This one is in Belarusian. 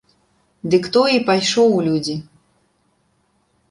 Дык той і пайшоў у людзі.